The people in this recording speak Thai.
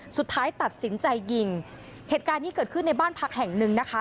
สุดท้ายตัดสินใจยิงเหตุการณ์นี้เกิดขึ้นในบ้านพักแห่งหนึ่งนะคะ